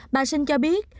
bà sinh cho biết